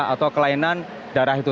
atau kelainan darah itu